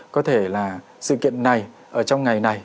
có thể là sự kiện này ở trong ngày này